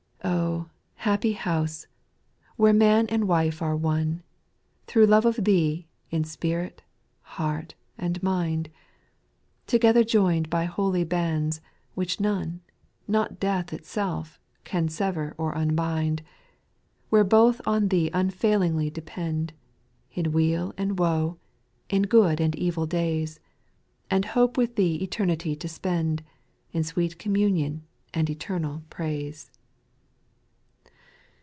2. Oh, happy house I where man and wife are one, Thro' love of Thee, in spirit, heart, and mind ; Together joined by holy bands, which none, Not death itself, can sever or unbind ; Where both on Thee unfailingly dei^end. In weal and woe, in good and evil days. And hope with Thee eternity to spend, In sweet communion and eternal praise.